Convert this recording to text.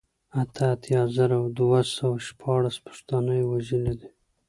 اته اتيا زره دوه سوه شپاړل پښتانه يې وژلي دي